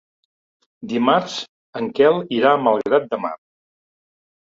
Dimarts en Quel irà a Malgrat de Mar.